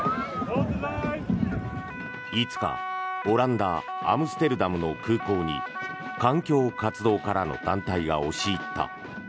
５日、オランダ・アムステルダムの空港に環境活動家らの団体が押し入った。